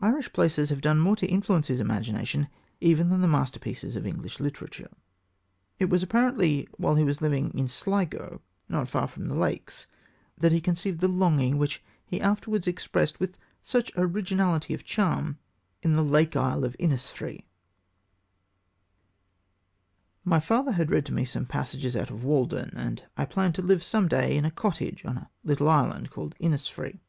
Irish places have done more to influence his imagination even than the masterpieces of English literature. It was apparently while he was living in Sligo, not far from the lakes, that he conceived the longing which he afterwards expressed with such originality of charm in The Lake Isle of Innisfree: My father had read to me some passage out of Walden, and I planned to live some day in a cottage on a little island called Innisfree....